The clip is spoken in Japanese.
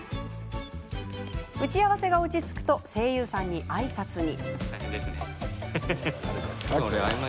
打ち合わせが落ち着くと声優さんに、あいさつに。